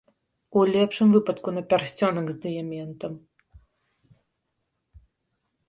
У лепшым выпадку, на пярсцёнак з дыяментам.